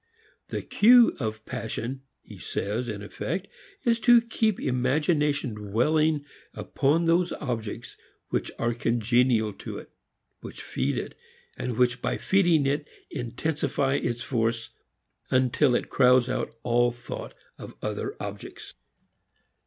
The cue of passion, he says in effect, is to keep imagination dwelling upon those objects which are congenial to it, which feed it, and which by feeding it intensify its force, until it crowds out all thought of other objects.